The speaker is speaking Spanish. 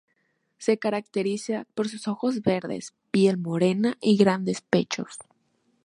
Se caracteriza por sus ojos verdes, piel morena y grandes pechos.